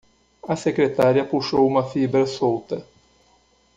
A secretária puxou uma fibra solta.